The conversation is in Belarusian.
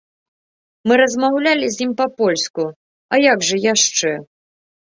Мы размаўлялі з ім па-польску, а як жа яшчэ?